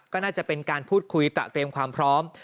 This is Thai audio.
ก็น่าจะเป็นการพูดคุยตะเตรียมความพร้อม